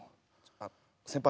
あっ先輩